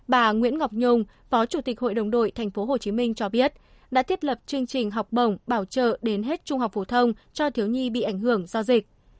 bà nguyễn ngọc nhung phó chủ tịch hội đồng đội tp hcm cho biết đã thiết lập chương trình học bổng bảo trợ đến hết trung học phổ thông cho thiếu nhi bị ảnh hưởng do dịch